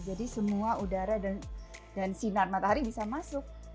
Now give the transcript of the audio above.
jadi semua udara dan sinar matahari bisa masuk